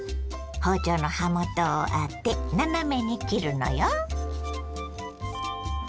包丁の刃元を当て斜めに切るのよ。